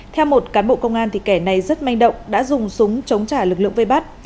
theo một cán bộ công an thì kẻ này rất manh động đã dùng súng chống trả lực lượng vây bắt